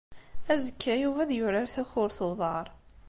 Azekka, Yuba ad yurar takurt n uḍar.